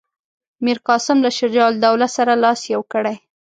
میرقاسم له شجاع الدوله سره لاس یو کړی.